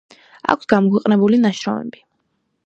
აქვს გამოქვეყნებული ნაშრომები.